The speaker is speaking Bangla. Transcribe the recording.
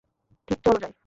ঠিক, চল যাই।